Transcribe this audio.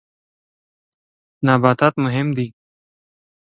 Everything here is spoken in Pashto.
نباتات مهم دي.